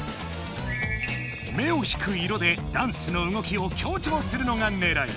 目を引く色でダンスの動きを強調するのがねらい。